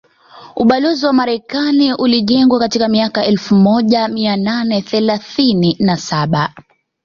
Ubalozi wa Marekani ulijengwa katika miaka ya elfu moja mia nane thelathini na saba